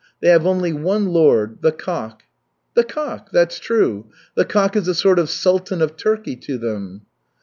They have only one lord the cock." "The cock! That's true. The cock is a sort of Sultan of Turkey to them."